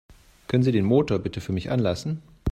Können Sie den Motor bitte für mich anlassen?